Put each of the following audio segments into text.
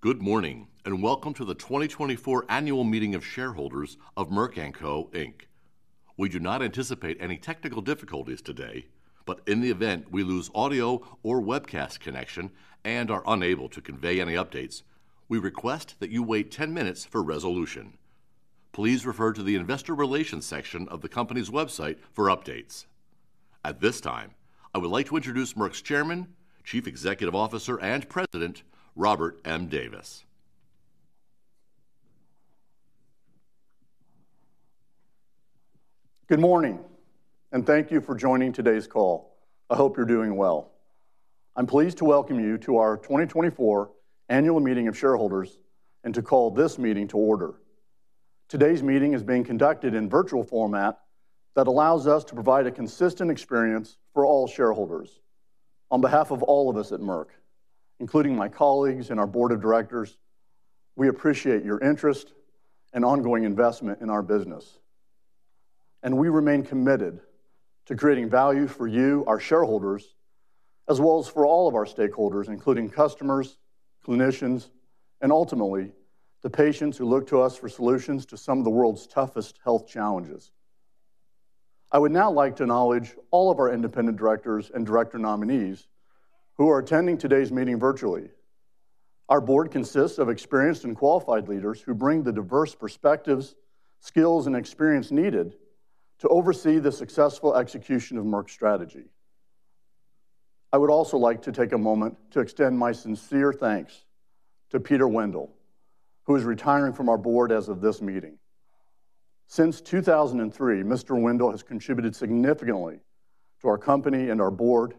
Good morning, and welcome to the 2024 Annual Meeting of Shareholders of Merck & Co., Inc. We do not anticipate any technical difficulties today, but in the event we lose audio or webcast connection and are unable to convey any updates, we request that you wait 10 minutes for resolution. Please refer to the Investor Relations section of the company's website for updates. At this time, I would like to introduce Merck's Chairman, Chief Executive Officer, and President, Robert M. Davis. Good morning, and thank you for joining today's call. I hope you're doing well. I'm pleased to welcome you to our 2024 Annual Meeting of Shareholders and to call this meeting to order. Today's meeting is being conducted in virtual format that allows us to provide a consistent experience for all shareholders. On behalf of all of us at Merck, including my colleagues and our board of directors, we appreciate your interest and ongoing investment in our business, and we remain committed to creating value for you, our shareholders, as well as for all of our stakeholders, including customers, clinicians, and ultimately, the patients who look to us for solutions to some of the world's toughest health challenges. I would now like to acknowledge all of our independent directors and director nominees who are attending today's meeting virtually. Our board consists of experienced and qualified leaders who bring the diverse perspectives, skills, and experience needed to oversee the successful execution of Merck's strategy. I would also like to take a moment to extend my sincere thanks to Peter Wendell, who is retiring from our board as of this meeting. Since 2003, Mr. Wendell has contributed significantly to our company and our board,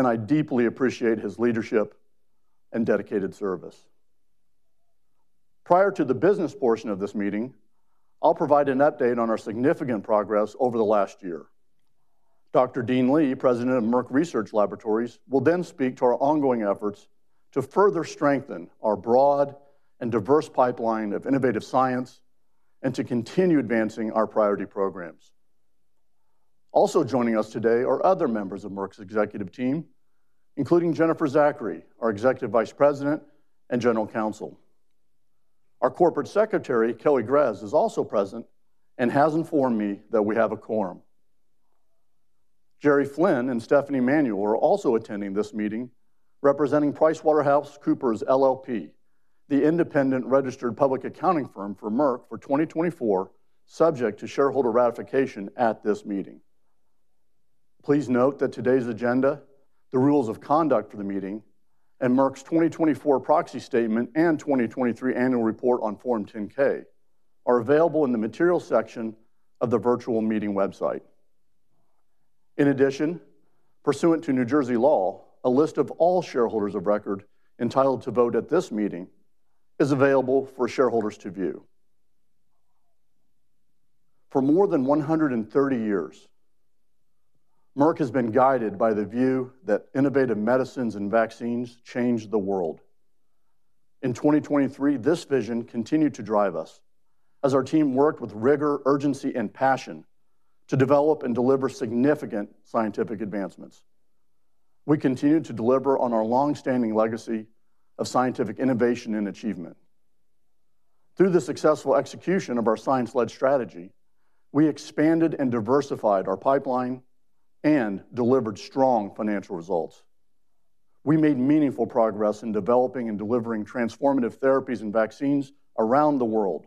and I deeply appreciate his leadership and dedicated service. Prior to the business portion of this meeting, I'll provide an update on our significant progress over the last year. Dr. Dean Li, President of Merck Research Laboratories, will then speak to our ongoing efforts to further strengthen our broad and diverse pipeline of innovative science and to continue advancing our priority programs. Also joining us today are other members of Merck's executive team, including Jennifer Zachary, our Executive Vice President and General Counsel. Our Corporate Secretary, Kelly Grez, is also present and has informed me that we have a quorum. Jerry Flynn and Stephanie Manuel are also attending this meeting, representing PricewaterhouseCoopers LLP, the independent registered public accounting firm for Merck for 2024, subject to shareholder ratification at this meeting. Please note that today's agenda, the rules of conduct for the meeting, and Merck's 2024 proxy statement and 2023 annual report on Form 10-K, are available in the materials section of the virtual meeting website. In addition, pursuant to New Jersey law, a list of all shareholders of record entitled to vote at this meeting is available for shareholders to view. For more than 130 years, Merck has been guided by the view that innovative medicines and vaccines change the world. In 2023, this vision continued to drive us as our team worked with rigor, urgency, and passion to develop and deliver significant scientific advancements. We continued to deliver on our long-standing legacy of scientific innovation and achievement. Through the successful execution of our science-led strategy, we expanded and diversified our pipeline and delivered strong financial results. We made meaningful progress in developing and delivering transformative therapies and vaccines around the world,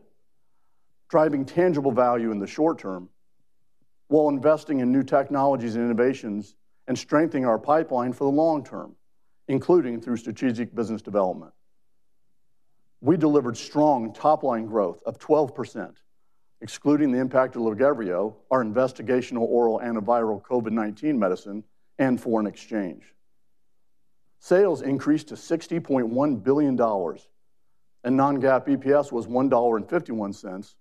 driving tangible value in the short term, while investing in new technologies and innovations and strengthening our pipeline for the long term, including through strategic business development. We delivered strong top-line growth of 12%, excluding the impact of LAGEVRIO, our investigational oral antiviral COVID-19 medicine, and foreign exchange. Sales increased to $60.1 billion, and non-GAAP EPS was $1.51,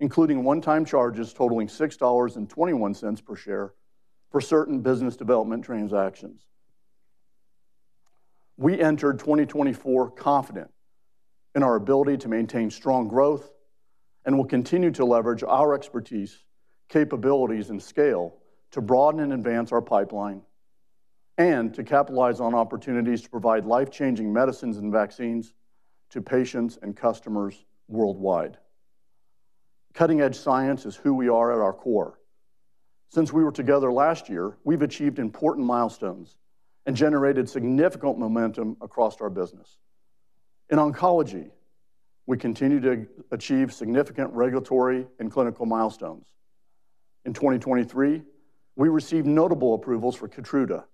including one-time charges totaling $6.21 per share for certain business development transactions. We entered 2024 confident in our ability to maintain strong growth and will continue to leverage our expertise, capabilities, and scale to broaden and advance our pipeline and to capitalize on opportunities to provide life-changing medicines and vaccines to patients and customers worldwide. Cutting-edge science is who we are at our core. Since we were together last year, we've achieved important milestones and generated significant momentum across our business. In oncology, we continue to achieve significant regulatory and clinical milestones. In 2023, we received notable approvals for KEYTRUDA,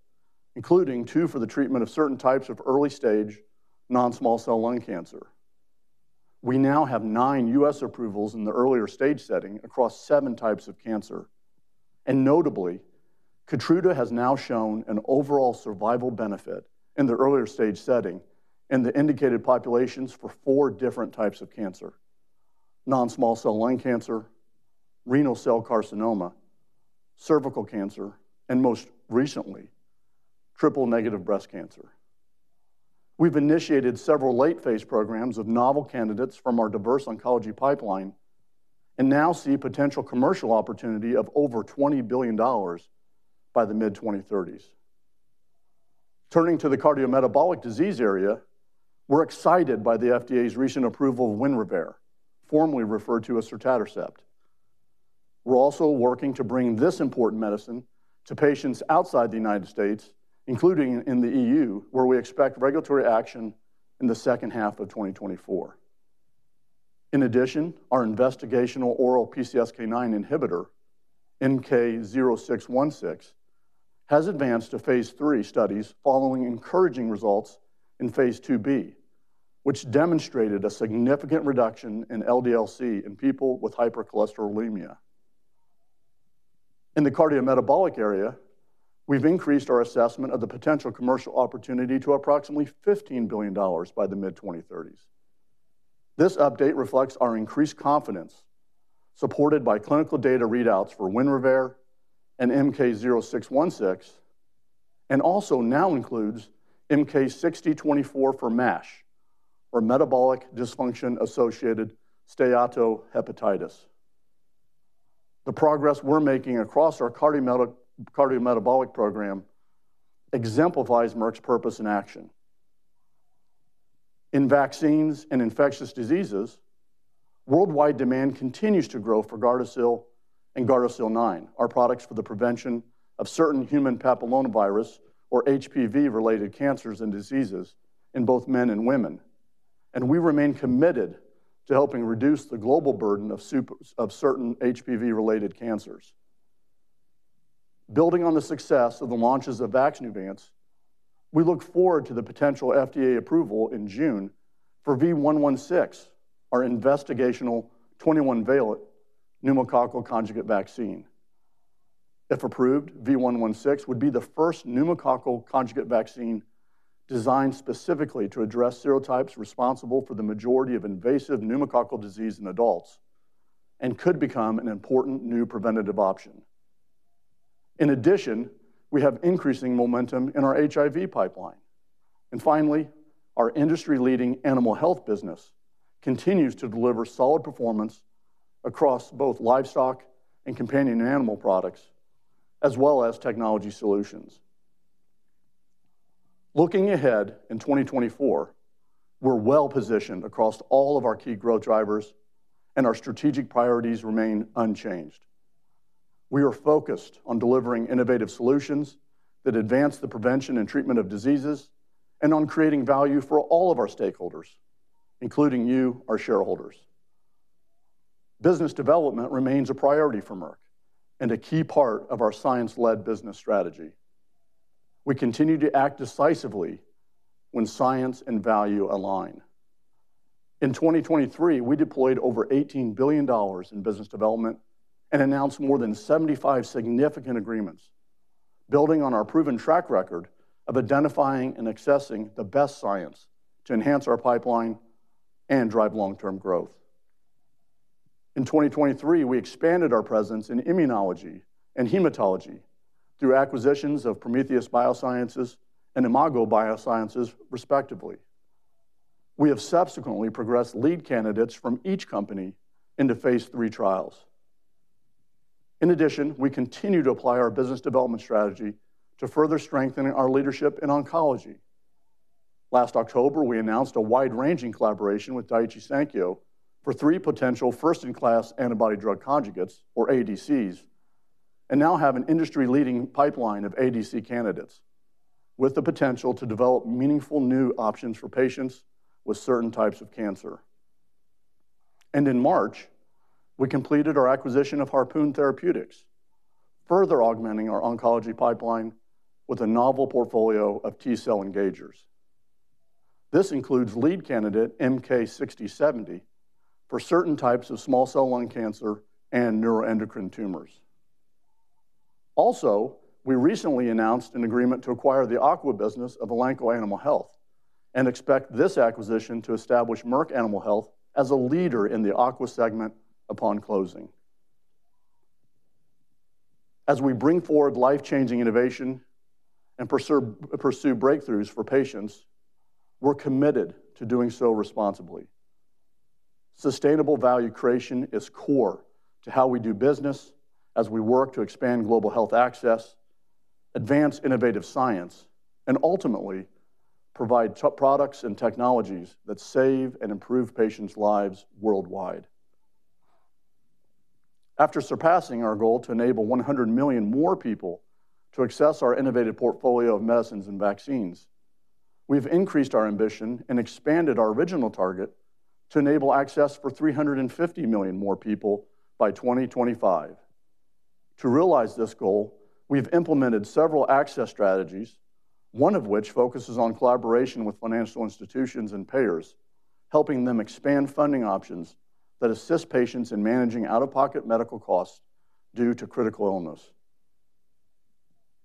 including two for the treatment of certain types of early-stage non-small cell lung cancer. We now have 9 U.S. approvals in the earlier stage setting across 7 types of cancer, and notably, KEYTRUDA has now shown an overall survival benefit in the earlier stage setting in the indicated populations for 4 different types of cancer: non-small cell lung cancer, renal cell carcinoma, cervical cancer, and most recently, triple-negative breast cancer. We've initiated several late-phase programs of novel candidates from our diverse oncology pipeline and now see potential commercial opportunity of over $20 billion by the mid-2030s. Turning to the cardiometabolic disease area, we're excited by the FDA's recent approval of WINREVAIR, formerly referred to as sotatercept. We're also working to bring this important medicine to patients outside the United States, including in the E.U., where we expect regulatory action in the second half of 2024. In addition, our investigational oral PCSK9 inhibitor, MK-0616, has advanced to phase 3 studies following encouraging results in phase 2b, which demonstrated a significant reduction in LDL-C in people with hypercholesterolemia. In the cardiometabolic area, we've increased our assessment of the potential commercial opportunity to approximately $15 billion by the mid-2030s. This update reflects our increased confidence, supported by clinical data readouts for WINREVAIR and MK-0616, and also now includes MK-6024 for MASH, or metabolic dysfunction-associated steatohepatitis. The progress we're making across our cardiometabolic program exemplifies Merck's purpose in action. In vaccines and infectious diseases, worldwide demand continues to grow for GARDASIL and GARDASIL 9, our products for the prevention of certain human papillomavirus or HPV-related cancers and diseases in both men and women, and we remain committed to helping reduce the global burden of certain HPV-related cancers. Building on the success of the launches of VAXNEUVANCE, we look forward to the potential FDA approval in June for V116, our investigational 21-valent pneumococcal conjugate vaccine. If approved, V116 would be the first pneumococcal conjugate vaccine designed specifically to address serotypes responsible for the majority of invasive pneumococcal disease in adults and could become an important new preventative option. In addition, we have increasing momentum in our HIV pipeline. Finally, our industry-leading animal health business continues to deliver solid performance across both livestock and companion animal products, as well as technology solutions. Looking ahead in 2024, we're well-positioned across all of our key growth drivers, and our strategic priorities remain unchanged. We are focused on delivering innovative solutions that advance the prevention and treatment of diseases, and on creating value for all of our stakeholders, including you, our shareholders. Business development remains a priority for Merck and a key part of our science-led business strategy. We continue to act decisively when science and value align. In 2023, we deployed over $18 billion in business development and announced more than 75 significant agreements, building on our proven track record of identifying and accessing the best science to enhance our pipeline and drive long-term growth. In 2023, we expanded our presence in immunology and hematology through acquisitions of Prometheus Biosciences and Imago Biosciences, respectively. We have subsequently progressed lead candidates from each company into phase 3 trials. In addition, we continue to apply our business development strategy to further strengthen our leadership in oncology. Last October, we announced a wide-ranging collaboration with Daiichi Sankyo for three potential first-in-class antibody-drug conjugates, or ADCs, and now have an industry-leading pipeline of ADC candidates with the potential to develop meaningful new options for patients with certain types of cancer. In March, we completed our acquisition of Harpoon Therapeutics, further augmenting our oncology pipeline with a novel portfolio of T-cell engagers. This includes lead candidate MK-6070 for certain types of small cell lung cancer and neuroendocrine tumors. Also, we recently announced an agreement to acquire the aqua business of Elanco Animal Health and expect this acquisition to establish Merck Animal Health as a leader in the aqua segment upon closing. As we bring forward life-changing innovation and pursue breakthroughs for patients, we're committed to doing so responsibly. Sustainable value creation is core to how we do business as we work to expand global health access, advance innovative science, and ultimately provide products and technologies that save and improve patients' lives worldwide. After surpassing our goal to enable 100 million more people to access our innovative portfolio of medicines and vaccines, we've increased our ambition and expanded our original target to enable access for 350 million more people by 2025. To realize this goal, we've implemented several access strategies, one of which focuses on collaboration with financial institutions and payers, helping them expand funding options that assist patients in managing out-of-pocket medical costs due to critical illness.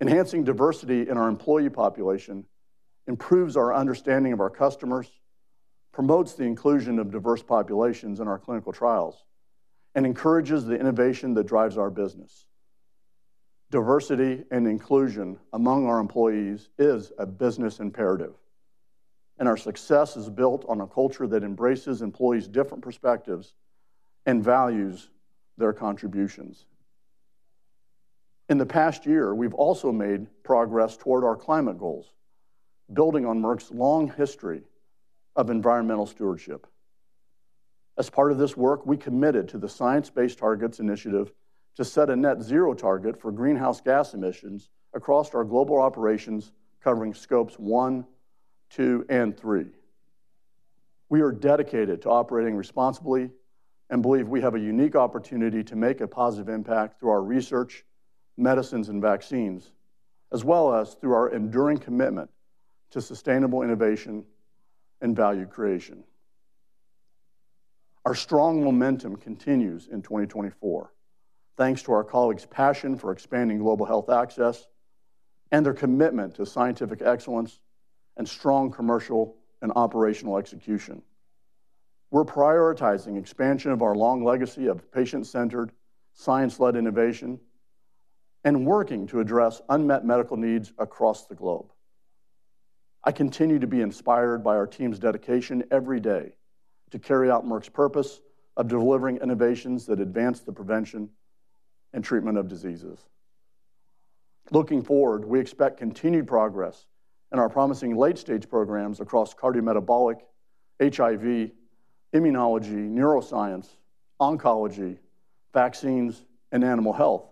Enhancing diversity in our employee population improves our understanding of our customers, promotes the inclusion of diverse populations in our clinical trials, and encourages the innovation that drives our business... diversity and inclusion among our employees is a business imperative, and our success is built on a culture that embraces employees' different perspectives and values their contributions. In the past year, we've also made progress toward our climate goals, building on Merck's long history of environmental stewardship. As part of this work, we committed to the Science Based Targets initiative to set a net zero target for greenhouse gas emissions across our global operations, covering scopes one, two, and three. We are dedicated to operating responsibly and believe we have a unique opportunity to make a positive impact through our research, medicines, and vaccines, as well as through our enduring commitment to sustainable innovation and value creation. Our strong momentum continues in 2024, thanks to our colleagues' passion for expanding global health access and their commitment to scientific excellence and strong commercial and operational execution. We're prioritizing expansion of our long legacy of patient-centered, science-led innovation and working to address unmet medical needs across the globe. I continue to be inspired by our team's dedication every day to carry out Merck's purpose of delivering innovations that advance the prevention and treatment of diseases. Looking forward, we expect continued progress in our promising late-stage programs across cardiometabolic, HIV, immunology, neuroscience, oncology, vaccines, and animal health,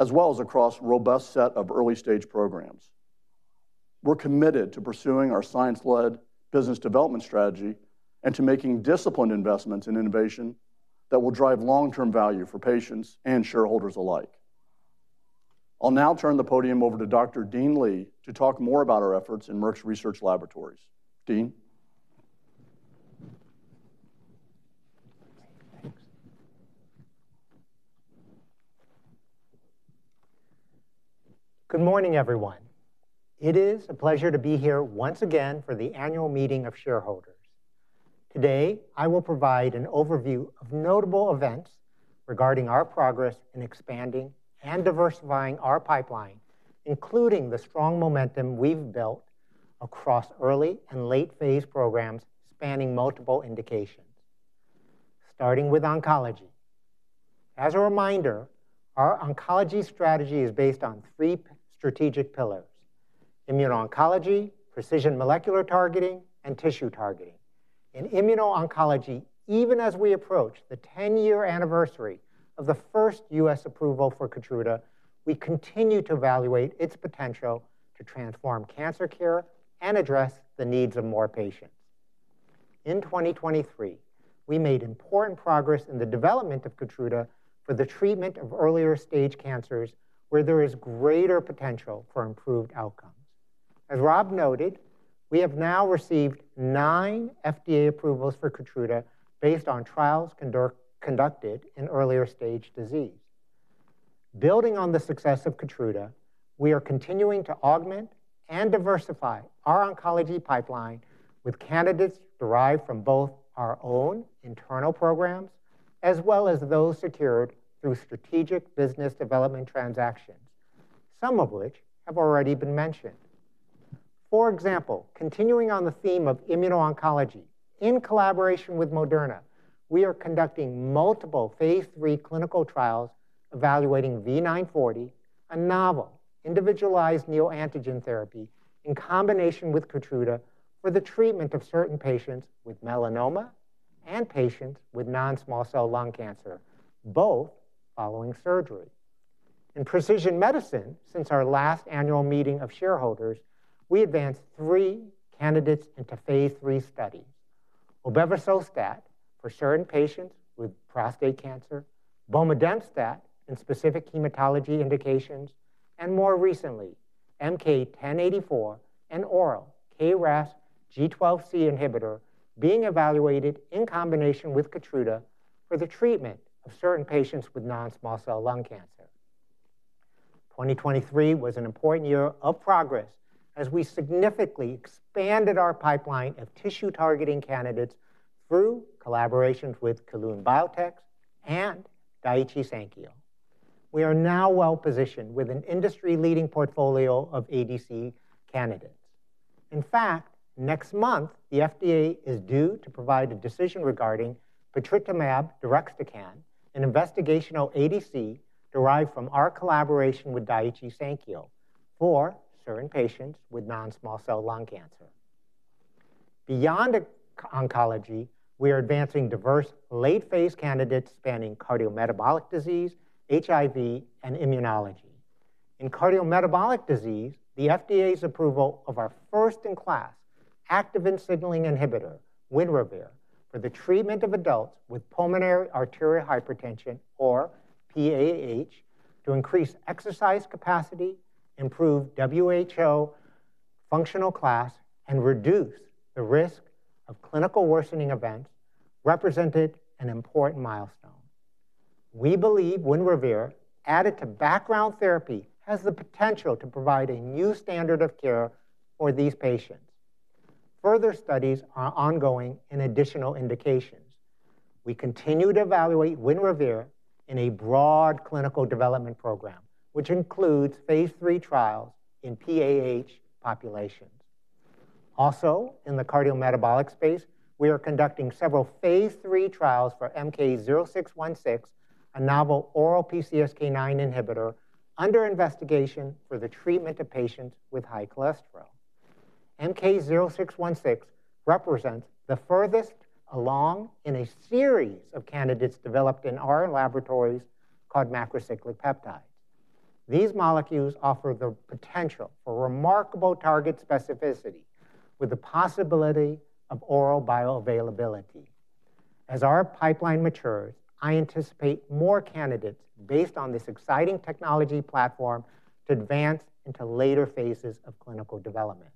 as well as across a robust set of early-stage programs. We're committed to pursuing our science-led business development strategy and to making disciplined investments in innovation that will drive long-term value for patients and shareholders alike. I'll now turn the podium over to Dr. Dean Li to talk more about our efforts in Merck Research Laboratories. Dean? Thanks. Good morning, everyone. It is a pleasure to be here once again for the annual meeting of shareholders. Today, I will provide an overview of notable events regarding our progress in expanding and diversifying our pipeline, including the strong momentum we've built across early and late-phase programs spanning multiple indications. Starting with oncology. As a reminder, our oncology strategy is based on three strategic pillars: immuno-oncology, precision molecular targeting, and tissue targeting. In immuno-oncology, even as we approach the ten-year anniversary of the first U.S. approval for KEYTRUDA, we continue to evaluate its potential to transform cancer care and address the needs of more patients. In 2023, we made important progress in the development of KEYTRUDA for the treatment of earlier-stage cancers where there is greater potential for improved outcomes. As Rob noted, we have now received nine FDA approvals for KEYTRUDA based on trials conducted in earlier-stage disease. Building on the success of KEYTRUDA, we are continuing to augment and diversify our oncology pipeline with candidates derived from both our own internal programs, as well as those secured through strategic business development transactions, some of which have already been mentioned. For example, continuing on the theme of immuno-oncology, in collaboration with Moderna, we are conducting multiple phase III clinical trials evaluating V940, a novel, individualized neoantigen therapy, in combination with KEYTRUDA for the treatment of certain patients with melanoma and patients with non-small cell lung cancer, both following surgery. In precision medicine, since our last annual meeting of shareholders, we advanced three candidates into phase III studies: obevercelstat for certain patients with prostate cancer, bomedemstat in specific hematology indications, and more recently, MK-1084, an oral KRAS G12C inhibitor, being evaluated in combination with KEYTRUDA for the treatment of certain patients with non-small cell lung cancer. 2023 was an important year of progress as we significantly expanded our pipeline of tissue-targeting candidates through collaborations with Kelun-Biotech and Daiichi Sankyo. We are now well-positioned with an industry-leading portfolio of ADC candidates. In fact, next month, the FDA is due to provide a decision regarding patritumab deruxtecan, an investigational ADC derived from our collaboration with Daiichi Sankyo for certain patients with non-small cell lung cancer. Beyond oncology, we are advancing diverse late-phase candidates spanning cardiometabolic disease, HIV, and immunology. In cardiometabolic disease, the FDA's approval of our first-in-class active signaling inhibitor, WINREVAIR, for the treatment of adults with pulmonary arterial hypertension or PAH, to increase exercise capacity, improve WHO functional class, and reduce the risk of clinical worsening events, represented an important milestone. We believe WINREVAIR, added to background therapy, has the potential to provide a new standard of care for these patients. Further studies are ongoing in additional indications. We continue to evaluate WINREVAIR in a broad clinical development program, which includes phase 3 trials in PAH populations. Also, in the cardiometabolic space, we are conducting several phase 3 trials for MK-0616, a novel oral PCSK9 inhibitor under investigation for the treatment of patients with high cholesterol. MK-0616 represents the furthest along in a series of candidates developed in our laboratories called macrocyclic peptides. These molecules offer the potential for remarkable target specificity, with the possibility of oral bioavailability. As our pipeline matures, I anticipate more candidates based on this exciting technology platform to advance into later phases of clinical development.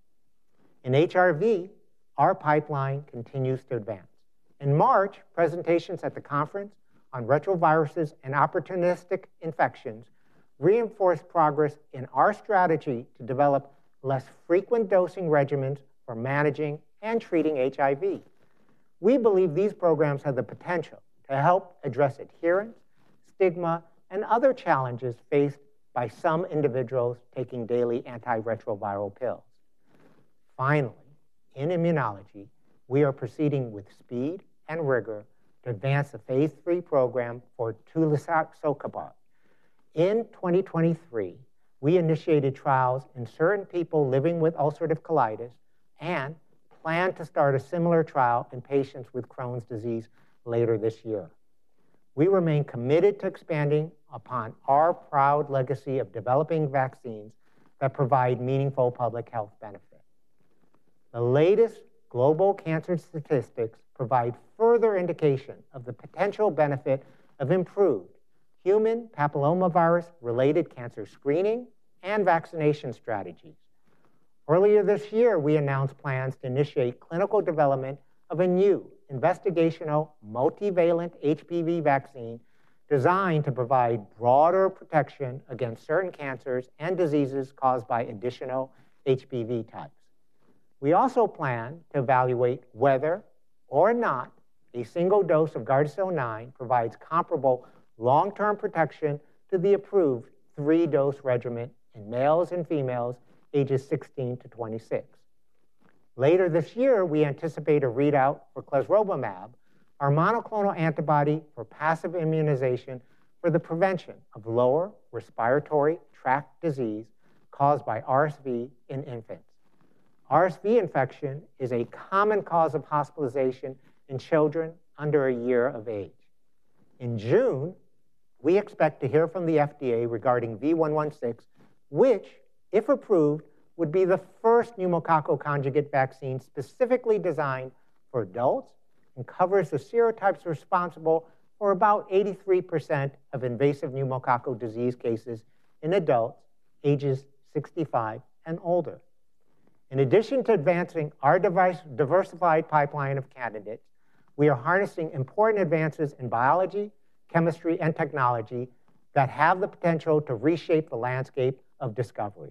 In HIV, our pipeline continues to advance. In March, presentations at the conference on retroviruses and opportunistic infections reinforced progress in our strategy to develop less frequent dosing regimens for managing and treating HIV. We believe these programs have the potential to help address adherence, stigma, and other challenges faced by some individuals taking daily antiretroviral pills. Finally, in immunology, we are proceeding with speed and rigor to advance a phase 3 program for tulisokibart. In 2023, we initiated trials in certain people living with ulcerative colitis and plan to start a similar trial in patients with Crohn's disease later this year. We remain committed to expanding upon our proud legacy of developing vaccines that provide meaningful public health benefit. The latest global cancer statistics provide further indication of the potential benefit of improved human papillomavirus-related cancer screening and vaccination strategies. Earlier this year, we announced plans to initiate clinical development of a new investigational multivalent HPV vaccine designed to provide broader protection against certain cancers and diseases caused by additional HPV types. We also plan to evaluate whether or not a single dose of GARDASIL 9 provides comparable long-term protection to the approved 3-dose regimen in males and females ages 16 to 26. Later this year, we anticipate a readout for clesrovimab, our monoclonal antibody for passive immunization for the prevention of lower respiratory tract disease caused by RSV in infants. RSV infection is a common cause of hospitalization in children under one year of age. In June, we expect to hear from the FDA regarding V116, which, if approved, would be the first pneumococcal conjugate vaccine specifically designed for adults and covers the serotypes responsible for about 83% of invasive pneumococcal disease cases in adults ages 65 and older. In addition to advancing our diversified pipeline of candidates, we are harnessing important advances in biology, chemistry, and technology that have the potential to reshape the landscape of discovery.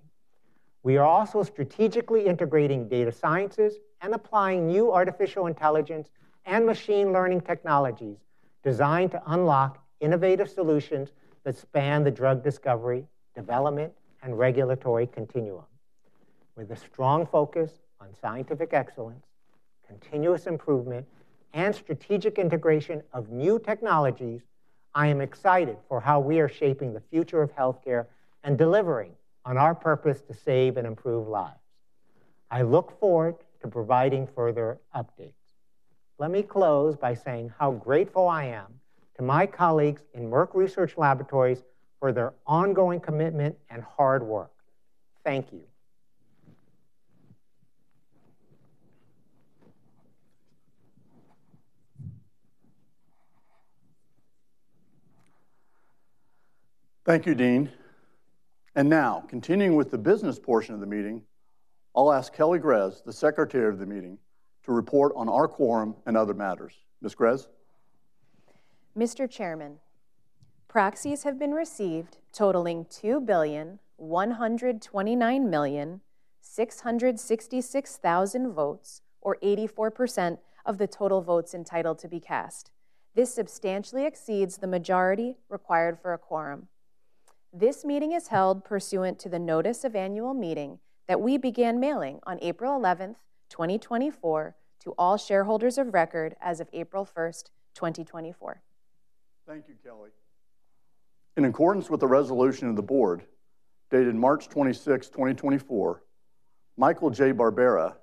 We are also strategically integrating data sciences and applying new artificial intelligence and machine learning technologies designed to unlock innovative solutions that span the drug discovery, development, and regulatory continuum. With a strong focus on scientific excellence, continuous improvement, and strategic integration of new technologies, I am excited for how we are shaping the future of healthcare and delivering on our purpose to save and improve lives. I look forward to providing further updates. Let me close by saying how grateful I am to my colleagues in Merck Research Laboratories for their ongoing commitment and hard work. Thank you. Thank you, Dean. Now, continuing with the business portion of the meeting, I'll ask Kelly Grez, the secretary of the meeting, to report on our quorum and other matters. Ms. Grez? Mr. Chairman, proxies have been received totaling 2,129,666,000 votes, or 84% of the total votes entitled to be cast. This substantially exceeds the majority required for a quorum. This meeting is held pursuant to the notice of annual meeting that we began mailing on April eleventh, 2024, to all shareholders of record as of April first, 2024. Thank you, Kelly. In accordance with the resolution of the Board, dated March 26, 2024, Michael J. Barbera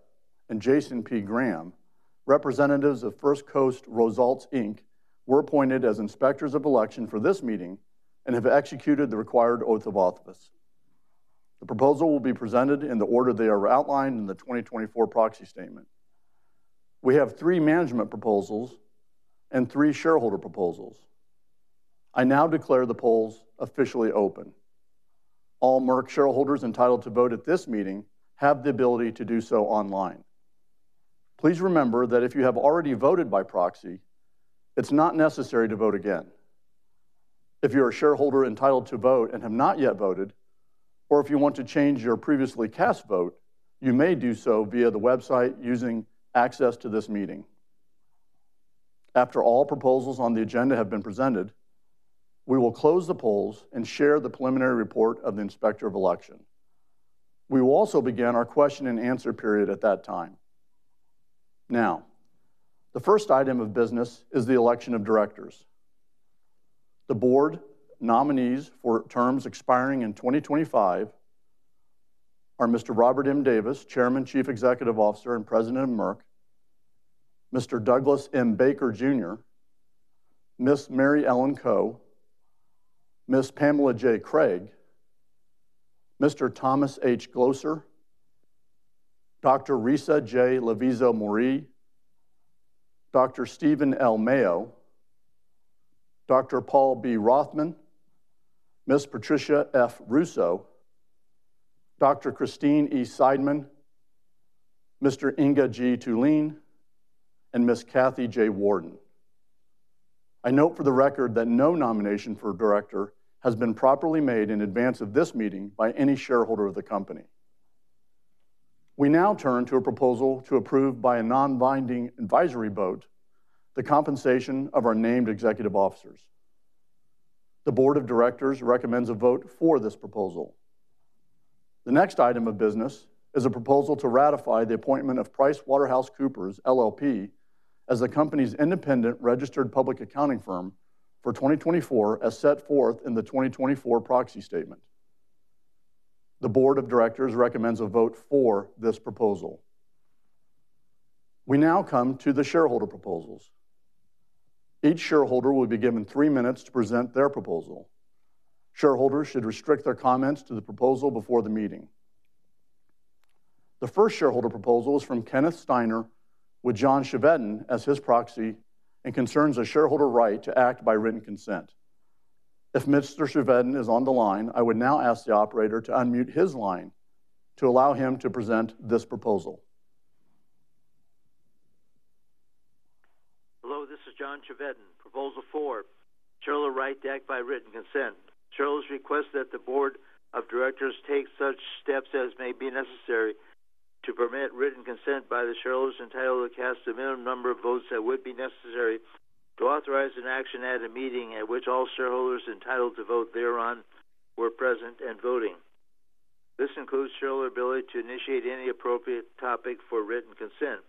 and Jason P. Graham, representatives of First Coast Results, Inc., were appointed as inspectors of election for this meeting and have executed the required oath of office. The proposals will be presented in the order they are outlined in the 2024 proxy statement. We have three management proposals and three shareholder proposals. I now declare the polls officially open. All Merck shareholders entitled to vote at this meeting have the ability to do so online. Please remember that if you have already voted by proxy, it's not necessary to vote again. If you're a shareholder entitled to vote and have not yet voted, or if you want to change your previously cast vote, you may do so via the website using access to this meeting. After all proposals on the agenda have been presented, we will close the polls and share the preliminary report of the Inspector of Election. We will also begin our question-and-answer period at that time. Now, the first item of business is the election of directors. The board nominees for terms expiring in 2025 are Mr. Robert M. Davis, Chairman, Chief Executive Officer, and President of Merck, Mr. Douglas M. Baker Jr., Ms. Mary Ellen Coe, Ms. Pamela J. Craig, Mr. Thomas H. Glocer, Dr. Risa J. Lavizzo-Mourey, Dr. Steven L. Mayo, Dr. Paul B. Rothman, Ms. Patricia F. Russo, Dr. Christine E. Seidman, Mr. Inge G. Thulin, and Ms. Kathy J. Warden. I note for the record that no nomination for director has been properly made in advance of this meeting by any shareholder of the company. We now turn to a proposal to approve by a non-binding advisory vote, the compensation of our named executive officers. The board of directors recommends a vote for this proposal. The next item of business is a proposal to ratify the appointment of PricewaterhouseCoopers LLP as the company's independent registered public accounting firm for 2024, as set forth in the 2024 proxy statement. The board of directors recommends a vote for this proposal. We now come to the shareholder proposals. Each shareholder will be given 3 minutes to present their proposal. Shareholders should restrict their comments to the proposal before the meeting. The first shareholder proposal is from Kenneth Steiner, with John Chevedden as his proxy, and concerns a shareholder right to act by written consent. If Mr. Chevedden is on the line. I would now ask the operator to unmute his line to allow him to present this proposal. Hello, this is John Chevedden, Proposal Four, shareholder right to act by written consent. Shareholders request that the board of directors take such steps as may be necessary to permit written consent by the shareholders entitled to cast the minimum number of votes that would be necessary to authorize an action at a meeting at which all shareholders entitled to vote thereon were present and voting. This includes shareholder ability to initiate any appropriate topic for written consent.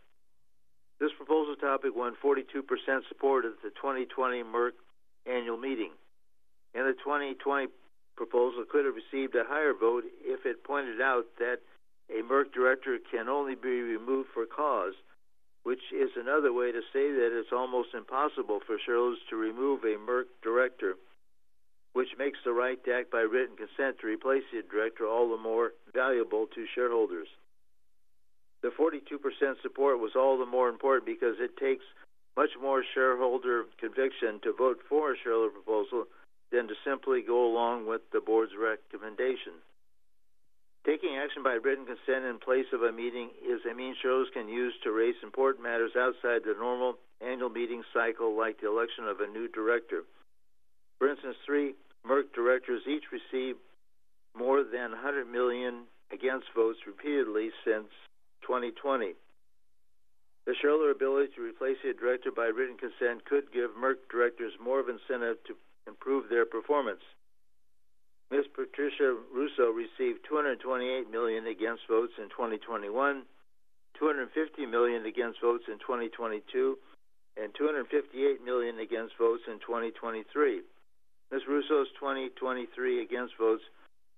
This proposal topic won 42% support at the 2020 Merck annual meeting, and the 2020 proposal could have received a higher vote if it pointed out that a Merck director can only be removed for cause, which is another way to say that it's almost impossible for shareholders to remove a Merck director, which makes the right to act by written consent to replace a director all the more valuable to shareholders. The 42% support was all the more important because it takes much more shareholder conviction to vote for a shareholder proposal than to simply go along with the board's recommendation. Taking action by written consent in place of a meeting is a means shareholders can use to raise important matters outside the normal annual meeting cycle, like the election of a new director. For instance, 3 Merck directors each received more than 100 million against votes repeatedly since 2020. The shareholder ability to replace a director by written consent could give Merck directors more of an incentive to improve their performance. Ms. Patricia Russo received 228 million against votes in 2021, 250 million against votes in 2022, and 258 million against votes in 2023. Ms. Russo's 2023 against votes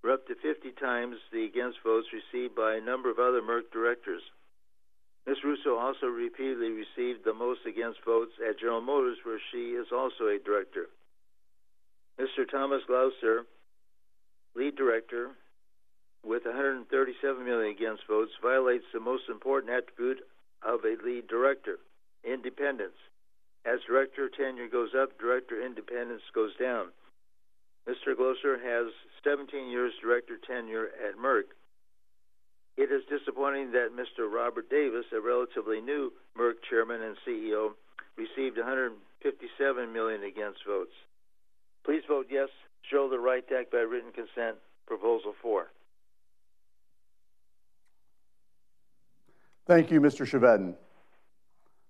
were up to 50 times the against votes received by a number of other Merck directors. Ms. Russo also repeatedly received the most against votes at General Motors, where she is also a director. Mr. Thomas Glocer, lead director, with 137 million against votes, violates the most important attribute of a lead director, independence. As director tenure goes up, director independence goes down. Mr. Glocer has 17 years director tenure at Merck. It is disappointing that Mr. Robert M. Davis, a relatively new Merck chairman and CEO, received 157 million against votes. Please vote yes, shareholder right to act by written consent, Proposal Four. Thank you, Mr. Chevedden.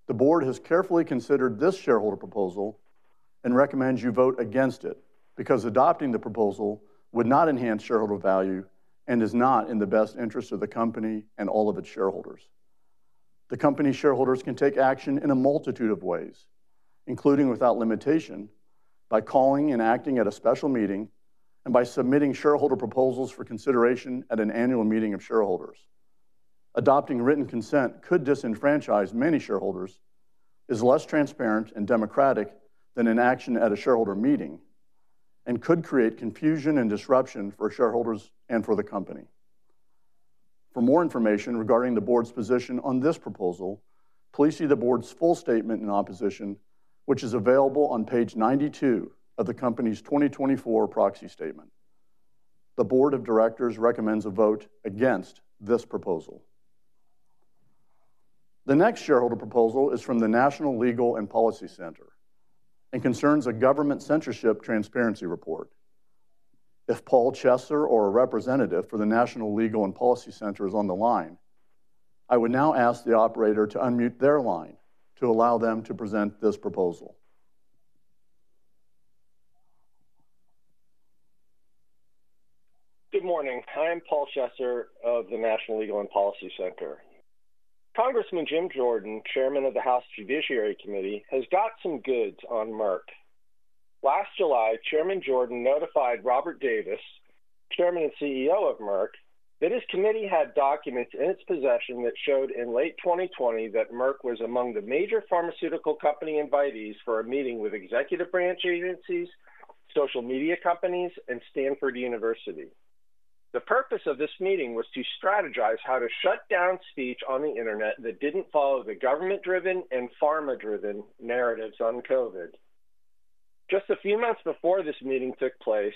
The board has carefully considered this shareholder proposal and recommends you vote against it because adopting the proposal would not enhance shareholder value and is not in the best interest of the company and all of its shareholders. The company's shareholders can take action in a multitude of ways, including without limitation, by calling and acting at a special meeting and by submitting shareholder proposals for consideration at an annual meeting of shareholders. Adopting written consent could disenfranchise many shareholders, is less transparent and democratic than an action at a shareholder meeting, and could create confusion and disruption for shareholders and for the company. For more information regarding the board's position on this proposal, please see the board's full statement in opposition, which is available on page 92 of the company's 2024 Proxy Statement. The board of directors recommends a vote against this proposal. The next shareholder proposal is from the National Legal and Policy Center, and concerns a government censorship transparency report. If Paul Chesser or a representative for the National Legal and Policy Center is on the line, I would now ask the operator to unmute their line to allow them to present this proposal. Good morning. I'm Paul Chesser of the National Legal and Policy Center. Congressman Jim Jordan, chairman of the House Judiciary Committee, has got some goods on Merck. Last July, Chairman Jordan notified Robert Davis, Chairman and CEO of Merck, that his committee had documents in its possession that showed in late 2020 that Merck was among the major pharmaceutical company invitees for a meeting with executive branch agencies, social media companies, and Stanford University. The purpose of this meeting was to strategize how to shut down speech on the Internet that didn't follow the government-driven and pharma-driven narratives on COVID. Just a few months before this meeting took place,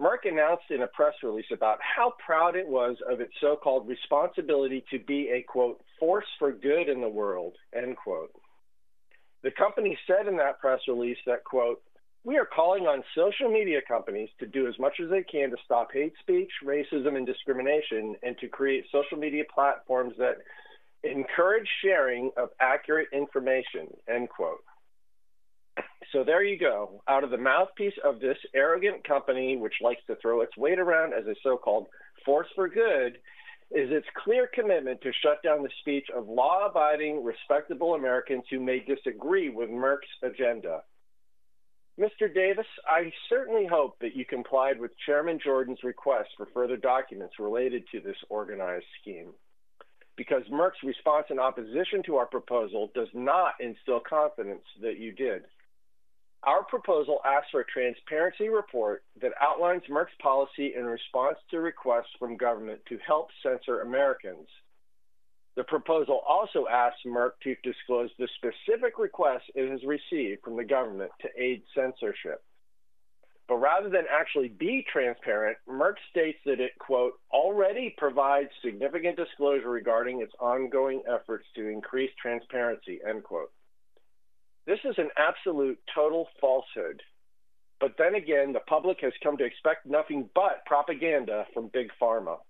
Merck announced in a press release about how proud it was of its so-called responsibility to be a, quote, "force for good in the world," end quote. The company said in that press release that, quote, "We are calling on social media companies to do as much as they can to stop hate speech, racism, and discrimination, and to create social media platforms that encourage sharing of accurate information," end quote. So there you go. Out of the mouthpiece of this arrogant company, which likes to throw its weight around as a so-called force for good, is its clear commitment to shut down the speech of law-abiding, respectable Americans who may disagree with Merck's agenda. Mr. Davis, I certainly hope that you complied with Chairman Jordan's request for further documents related to this organized scheme, because Merck's response and opposition to our proposal does not instill confidence that you did. Our proposal asks for a transparency report that outlines Merck's policy in response to requests from government to help censor Americans. The proposal also asks Merck to disclose the specific requests it has received from the government to aid censorship. But rather than actually be transparent, Merck states that it, quote, "already provides significant disclosure regarding its ongoing efforts to increase transparency," end quote. This is an absolute total falsehood, but then again, the public has come to expect nothing but propaganda from Big Pharma.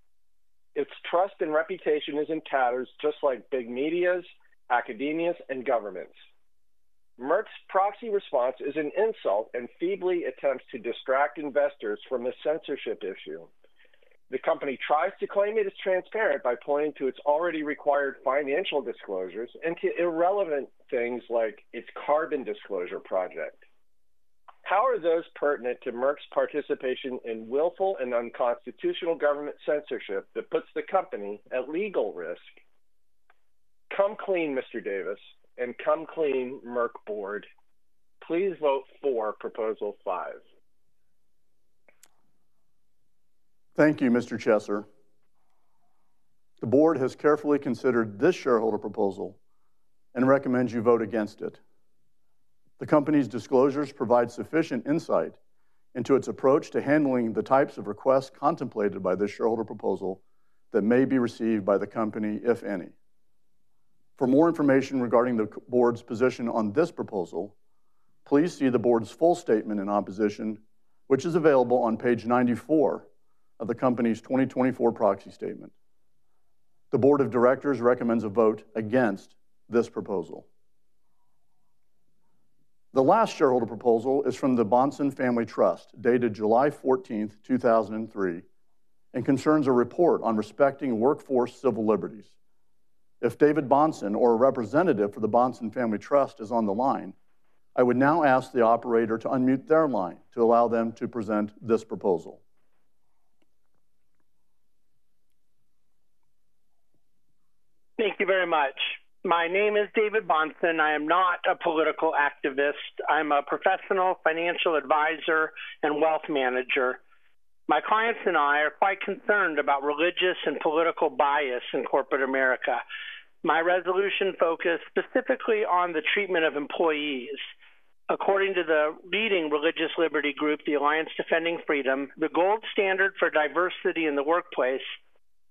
Its trust and reputation is in tatters just like big media's, academia's, and government's. Merck's proxy response is an insult and feebly attempts to distract investors from the censorship issue. The company tries to claim it is transparent by pointing to its already required financial disclosures and to irrelevant things like its carbon disclosure project. How are those pertinent to Merck's participation in willful and unconstitutional government censorship that puts the company at legal risk? Come clean, Mr. Davis, and come clean, Merck Board. Please vote for proposal five. Thank you, Mr. Chesser. The board has carefully considered this shareholder proposal and recommends you vote against it. The company's disclosures provide sufficient insight into its approach to handling the types of requests contemplated by this shareholder proposal that may be received by the company, if any. For more information regarding the board's position on this proposal, please see the board's full statement in opposition, which is available on page 94 of the company's 2024 proxy statement. The board of directors recommends a vote against this proposal. The last shareholder proposal is from the Bahnsen Family Trust, dated July 14, 2003, and concerns a report on respecting workforce civil liberties. If David Bahnsen or a representative for the Bahnsen Family Trust is on the line, I would now ask the operator to unmute their line to allow them to present this proposal. Thank you very much. My name is David Bahnsen. I am not a political activist. I'm a professional financial advisor and wealth manager. My clients and I are quite concerned about religious and political bias in corporate America. My resolution focused specifically on the treatment of employees. According to the leading religious liberty group, the Alliance Defending Freedom, the gold standard for diversity in the workplace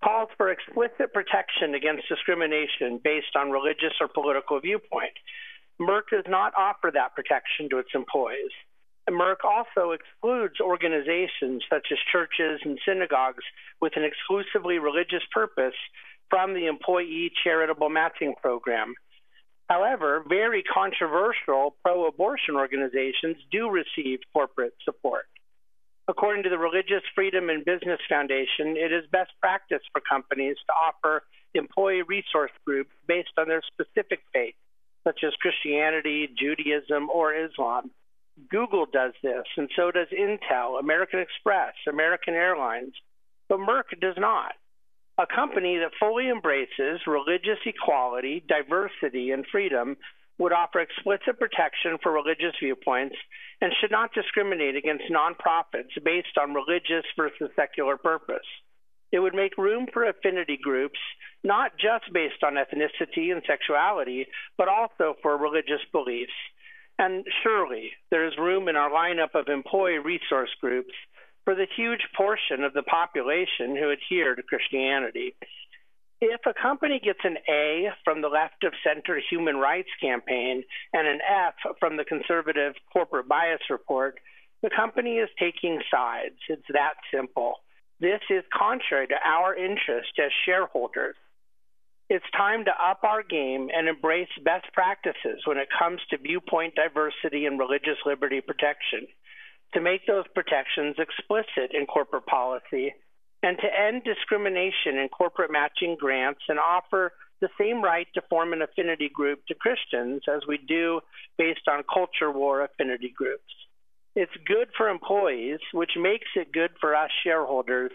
calls for explicit protection against discrimination based on religious or political viewpoint. Merck does not offer that protection to its employees. Merck also excludes organizations such as churches and synagogues with an exclusively religious purpose from the employee charitable matching program. However, very controversial pro-abortion organizations do receive corporate support. According to the Religious Freedom & Business Foundation, it is best practice for companies to offer employee resource group based on their specific faith, such as Christianity, Judaism or Islam. Google does this, and so does Intel, American Express, American Airlines, but Merck does not. A company that fully embraces religious equality, diversity, and freedom would offer explicit protection for religious viewpoints and should not discriminate against nonprofits based on religious versus secular purpose. It would make room for affinity groups, not just based on ethnicity and sexuality, but also for religious beliefs... and surely there is room in our lineup of employee resource groups for the huge portion of the population who adhere to Christianity. If a company gets an A from the left-of-center Human Rights Campaign and an F from the conservative Corporate Bias Report, the company is taking sides. It's that simple. This is contrary to our interest as shareholders. It's time to up our game and embrace best practices when it comes to viewpoint diversity and religious liberty protection, to make those protections explicit in corporate policy, and to end discrimination in corporate matching grants, and offer the same right to form an affinity group to Christians as we do based on culture war affinity groups. It's good for employees, which makes it good for us shareholders,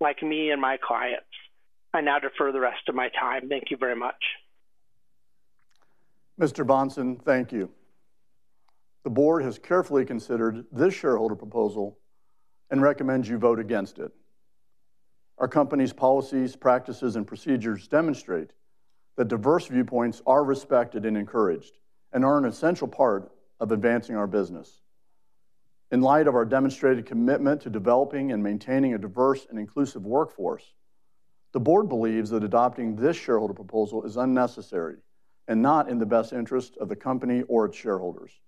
like me and my clients. I now defer the rest of my time. Thank you very much. Mr. Bahnsen, thank you. The board has carefully considered this shareholder proposal and recommends you vote against it. Our company's policies, practices, and procedures demonstrate that diverse viewpoints are respected and encouraged, and are an essential part of advancing our business. In light of our demonstrated commitment to developing and maintaining a diverse and inclusive workforce, the board believes that adopting this shareholder proposal is unnecessary and not in the best interest of the company or its shareholders.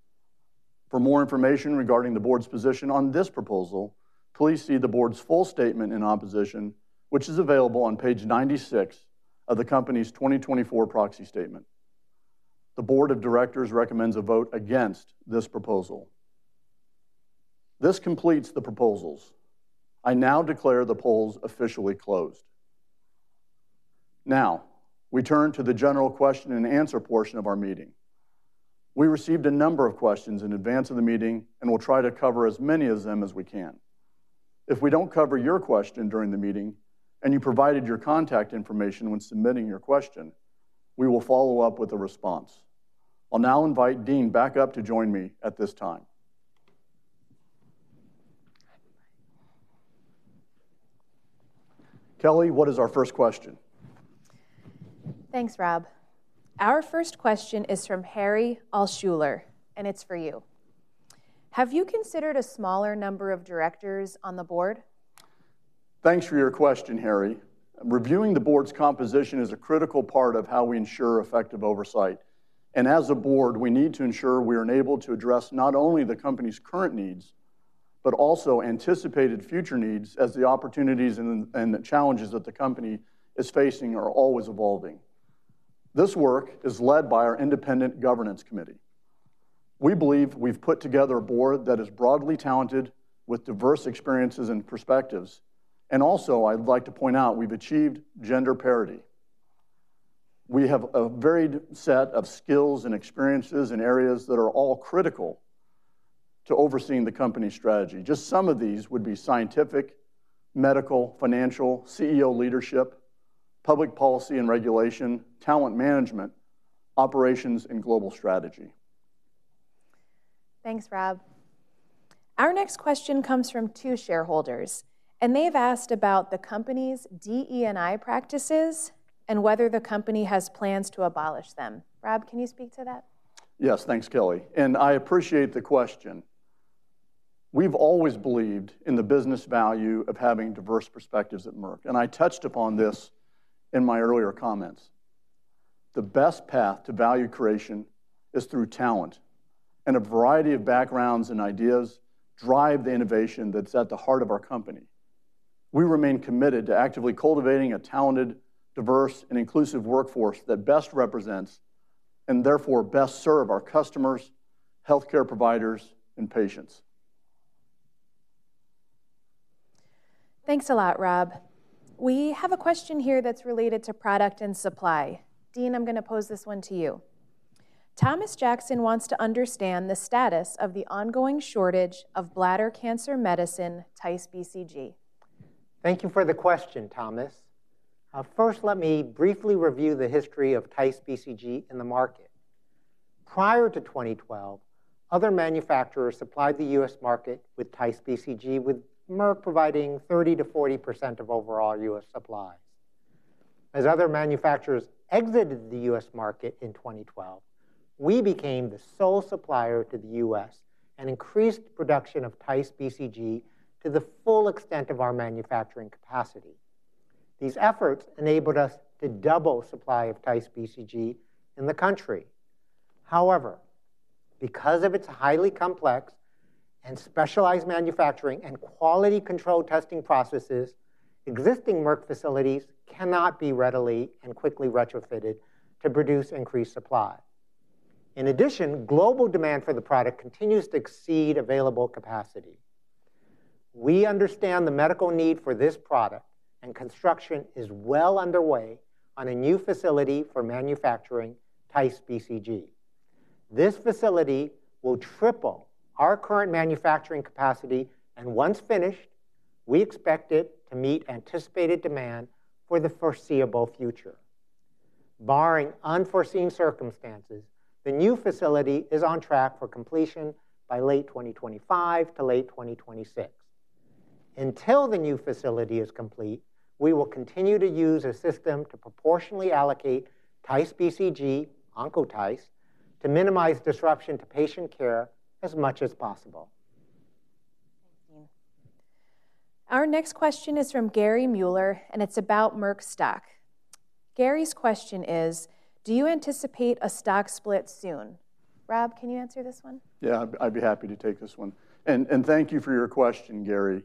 For more information regarding the board's position on this proposal, please see the board's full statement in opposition, which is available on page 96 of the company's 2024 proxy statement. The board of directors recommends a vote against this proposal. This completes the proposals. I now declare the polls officially closed. Now, we turn to the general question and answer portion of our meeting. We received a number of questions in advance of the meeting, and we'll try to cover as many of them as we can. If we don't cover your question during the meeting, and you provided your contact information when submitting your question, we will follow up with a response. I'll now invite Dean back up to join me at this time. Kelly, what is our first question? Thanks, Rob. Our first question is from Harry Alschuler, and it's for you: Have you considered a smaller number of directors on the board? Thanks for your question, Harry. Reviewing the board's composition is a critical part of how we ensure effective oversight, and as a board, we need to ensure we are enabled to address not only the company's current needs, but also anticipated future needs as the opportunities and the challenges that the company is facing are always evolving. This work is led by our independent governance committee. We believe we've put together a board that is broadly talented, with diverse experiences and perspectives, and also, I'd like to point out, we've achieved gender parity. We have a varied set of skills and experiences in areas that are all critical to overseeing the company's strategy. Just some of these would be scientific, medical, financial, CEO leadership, public policy and regulation, talent management, operations, and global strategy. Thanks, Rob. Our next question comes from two shareholders, and they've asked about the company's DE&I practices and whether the company has plans to abolish them. Rob, can you speak to that? Yes. Thanks, Kelly, and I appreciate the question. We've always believed in the business value of having diverse perspectives at Merck, and I touched upon this in my earlier comments. The best path to value creation is through talent, and a variety of backgrounds and ideas drive the innovation that's at the heart of our company. We remain committed to actively cultivating a talented, diverse, and inclusive workforce that best represents and therefore best serve our customers, healthcare providers, and patients. Thanks a lot, Rob. We have a question here that's related to product and supply. Dean, I'm gonna pose this one to you. Thomas Jackson wants to understand the status of the ongoing shortage of bladder cancer medicine, TICE BCG. Thank you for the question, Thomas. First, let me briefly review the history of TICE BCG in the market. Prior to 2012, other manufacturers supplied the U.S. market with TICE BCG, with Merck providing 30%-40% of overall U.S. supplies. As other manufacturers exited the U.S. market in 2012, we became the sole supplier to the U.S., and increased production of TICE BCG to the full extent of our manufacturing capacity. These efforts enabled us to double supply of TICE BCG in the country. However, because of its highly complex and specialized manufacturing and quality control testing processes, existing Merck facilities cannot be readily and quickly retrofitted to produce increased supply. In addition, global demand for the product continues to exceed available capacity. We understand the medical need for this product, and construction is well underway on a new facility for manufacturing TICE BCG. This facility will triple our current manufacturing capacity, and once finished, we expect it to meet anticipated demand for the foreseeable future. Barring unforeseen circumstances, the new facility is on track for completion by late 2025 to late 2026. Until the new facility is complete, we will continue to use a system to proportionally allocate TICE BCG, OncoTICE, to minimize disruption to patient care as much as possible. Thanks, Dean. Our next question is from Gary Mueller, and it's about Merck stock. Gary's question is: do you anticipate a stock split soon? Rob, can you answer this one? Yeah, I'd be happy to take this one. And thank you for your question, Gary.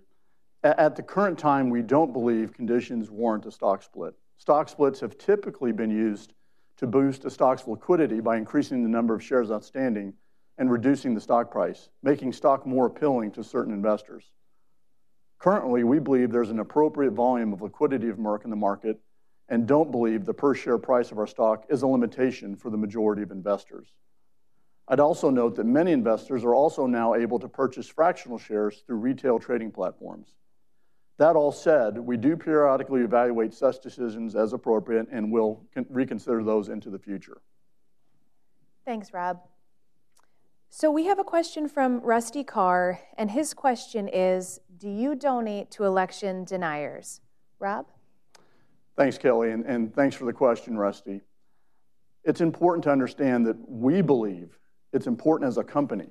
At the current time, we don't believe conditions warrant a stock split. Stock splits have typically been used to boost a stock's liquidity by increasing the number of shares outstanding and reducing the stock price, making stock more appealing to certain investors. Currently, we believe there's an appropriate volume of liquidity of Merck in the market and don't believe the per-share price of our stock is a limitation for the majority of investors. I'd also note that many investors are also now able to purchase fractional shares through retail trading platforms. That all said, we do periodically evaluate such decisions as appropriate, and we'll reconsider those into the future. Thanks, Rob. So we have a question from Rusty Carr, and his question is: do you donate to election deniers? Rob? Thanks, Kelly, and thanks for the question, Rusty. It's important to understand that we believe it's important as a company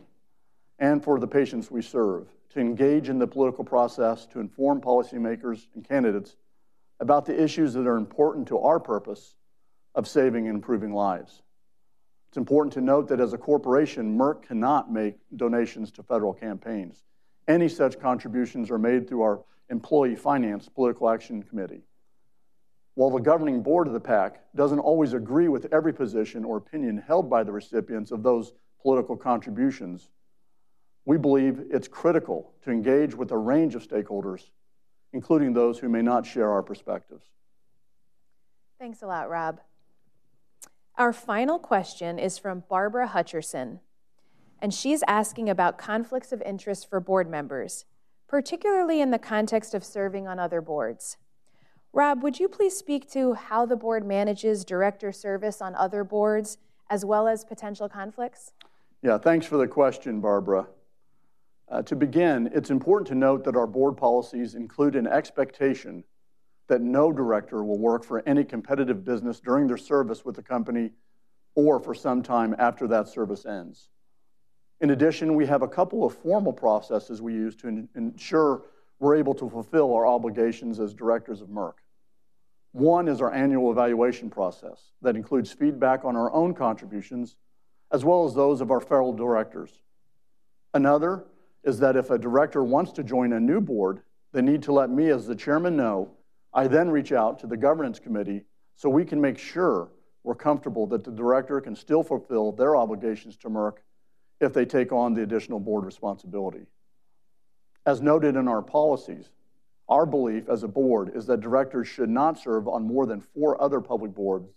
and for the patients we serve, to engage in the political process to inform policymakers and candidates about the issues that are important to our purpose of saving and improving lives. It's important to note that as a corporation, Merck cannot make donations to federal campaigns. Any such contributions are made through our employee finance political action committee. While the governing board of the PAC doesn't always agree with every position or opinion held by the recipients of those political contributions, we believe it's critical to engage with a range of stakeholders, including those who may not share our perspectives. Thanks a lot, Rob. Our final question is from Barbara Hutcherson, and she's asking about conflicts of interest for board members, particularly in the context of serving on other boards. Rob, would you please speak to how the board manages director service on other boards, as well as potential conflicts? Yeah, thanks for the question, Barbara. To begin, it's important to note that our board policies include an expectation that no director will work for any competitive business during their service with the company or for some time after that service ends. In addition, we have a couple of formal processes we use to ensure we're able to fulfill our obligations as directors of Merck. One is our annual evaluation process that includes feedback on our own contributions, as well as those of our fellow directors. Another is that if a director wants to join a new board, they need to let me, as the Chairman, know. I then reach out to the governance committee, so we can make sure we're comfortable that the director can still fulfill their obligations to Merck if they take on the additional board responsibility. As noted in our policies, our belief as a board is that directors should not serve on more than four other public boards,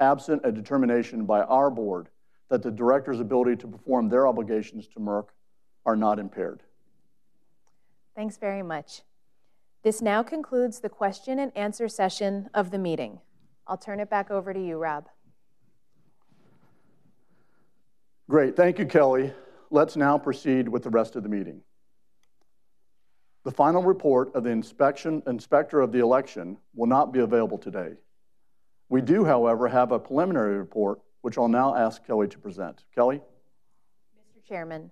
absent a determination by our board that the director's ability to perform their obligations to Merck are not impaired. Thanks very much. This now concludes the question and answer session of the meeting. I'll turn it back over to you, Rob. Great. Thank you, Kelly. Let's now proceed with the rest of the meeting. The final report of the inspector of the election will not be available today. We do, however, have a preliminary report, which I'll now ask Kelly to present. Kelly? Mr. Chairman,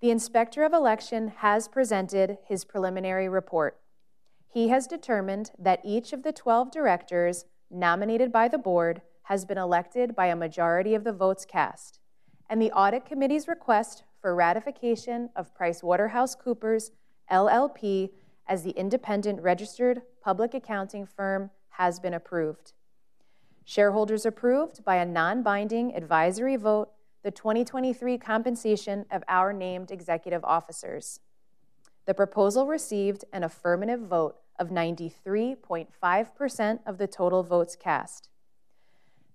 the inspector of election has presented his preliminary report. He has determined that each of the 12 directors nominated by the board has been elected by a majority of the votes cast, and the audit committee's request for ratification of PricewaterhouseCoopers LLP as the independent registered public accounting firm has been approved. Shareholders approved, by a non-binding advisory vote, the 2023 compensation of our named executive officers. The proposal received an affirmative vote of 93.5% of the total votes cast.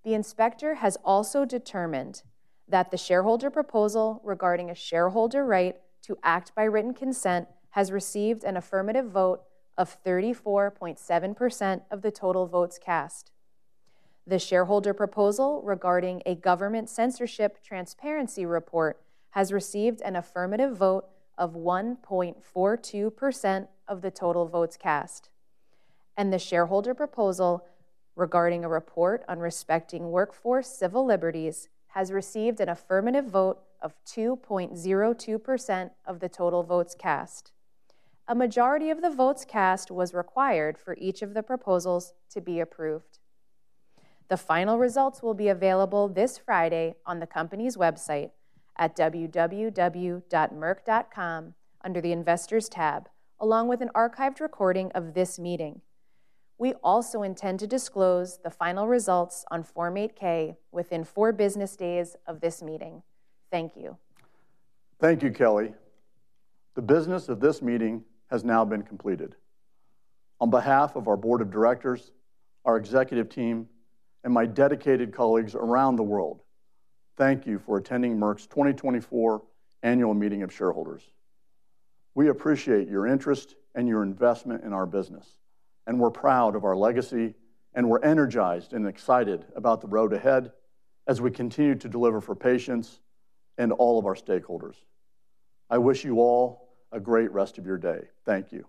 The inspector has also determined that the shareholder proposal regarding a shareholder right to act by written consent has received an affirmative vote of 34.7% of the total votes cast. The shareholder proposal regarding a government censorship transparency report has received an affirmative vote of 1.42% of the total votes cast, and the shareholder proposal regarding a report on respecting workforce civil liberties has received an affirmative vote of 2.02% of the total votes cast. A majority of the votes cast was required for each of the proposals to be approved. The final results will be available this Friday on the company's website at www.merck.com, under the Investors tab, along with an archived recording of this meeting. We also intend to disclose the final results on Form 8-K within four business days of this meeting. Thank you. Thank you, Kelly. The business of this meeting has now been completed. On behalf of our board of directors, our executive team, and my dedicated colleagues around the world, thank you for attending Merck's 2024 Annual Meeting of Shareholders. We appreciate your interest and your investment in our business, and we're proud of our legacy, and we're energized and excited about the road ahead as we continue to deliver for patients and all of our stakeholders. I wish you all a great rest of your day. Thank you.